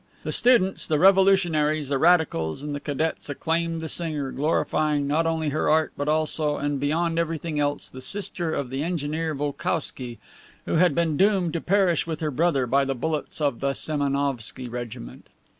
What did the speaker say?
The students, the revolutionaries, the radicals and the cadets acclaimed the singer, glorifying not only her art but also and beyond everything else the sister of the engineer Volkousky, who had been doomed to perish with her brother by the bullets of the Semenovsky regiment.